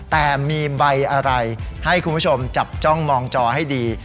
แต่มีใบอะไรให้คุณผู้ชมจับจ้องมองจอให้ดี